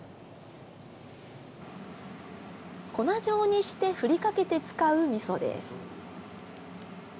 粉状にして振りかけて使うみそです。